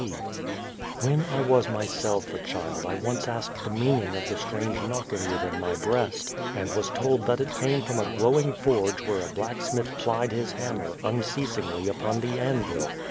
4 The Child Face When I was myself a child I once asked the meaning of the strange knocking within my breast, and was told that it came from a glow ing forge where a blacksmith plied his hammer unceasingly upon the anvil.